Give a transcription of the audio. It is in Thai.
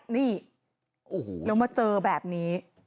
นี่แล้วมาเจอแบบนี้